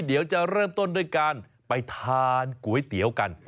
เดี๋ยวจะเริ่มต้นด้วยการไปทานก๋วยเตี๋ยวกัน